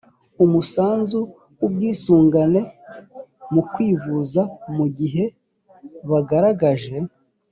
umusanzu w ubwisungane mu kwivuza mu gihe bagaragaje